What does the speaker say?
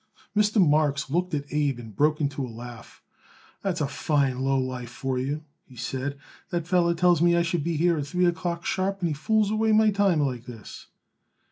Mr. Marks looked at Abe and broke into a laugh. "That's a fine lowlife for you," he said. "That feller tells me I should be here at three o'clock sharp and he fools away my time like this."